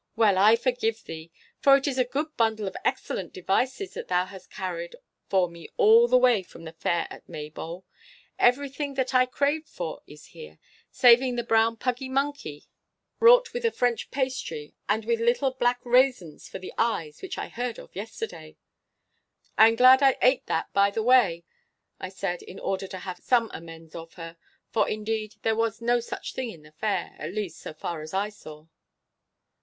Well, I forgive thee, for it is a good bundle of excellent devices that thou hast carried for me all the way from the fair at Maybole. Everything that I craved for is here, saving the brown puggy monkey wrought with French pastry and with little black raisins for the eyes which I heard of yesterday!' 'I am glad I ate that by the way,' I said, in order to have some amends of her; for, indeed, there was no such thing in the fair, at least so far ar I saw.